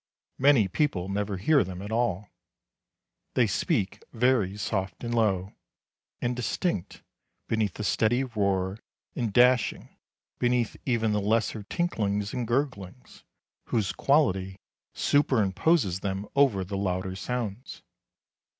Many people never hear them at all. They speak very soft and low, and distinct, beneath the steady roar and dashing, beneath even the lesser tinklings and gurglings whose quality superimposes them over the louder sounds.